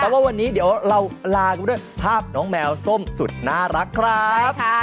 วันนี้เดี๋ยวเราลาไปด้วยภาพน้องแหมวส้มสุดน่ารักค่ะ